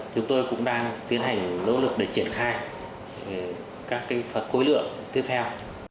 chúng tôi cũng đang tiến hành nỗ lực để triển khai các phần khối lượng tiếp theo